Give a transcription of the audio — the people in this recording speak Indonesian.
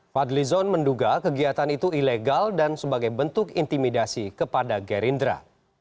fadli zon menduga kegiatan itu ilegal dan sebagai bentuk intimidasi kepada gerindra